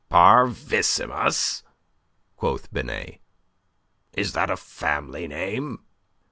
"Parvissimus?" quoth Binet. "Is that a family name?"